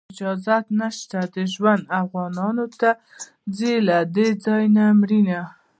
اجازت نشته د ژوند، افغانانو ته ځي له دې ځایه مړینه